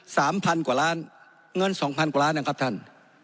สามพันกว่าล้านเงินสองพันกว่าล้านนะครับท่าน